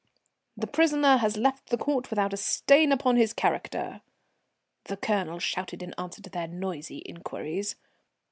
"The prisoner has left the court without a stain upon his character," the Colonel shouted in answer to their noisy inquiries.